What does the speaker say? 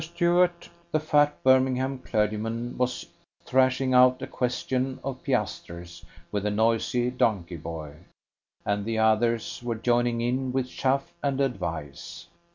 Stuart, the fat Birmingham clergyman, was thrashing out a question of piastres with a noisy donkey boy, and the others were joining in with chaff and advice.